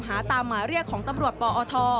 หาตามหมายเรียกของตำรวจปอท